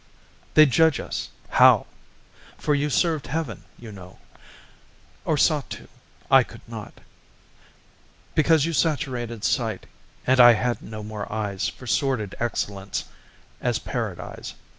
They'd judge us how? For you served Heaven, you know, Or sought to; I could not, Because you saturated sight, And I had no more eyes For sordid excellence As Paradise.